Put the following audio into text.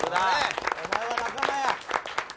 お前は仲間や。